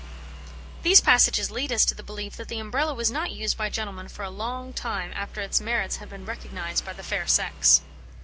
These passages lead us to the belief that the Umbrella was not used by gentlemen for a long time after its merits had been recognised by the fair sex.